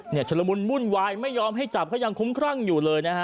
ชุดละมุนวุ่นวายไม่ยอมให้จับเขายังคุ้มครั่งอยู่เลยนะฮะ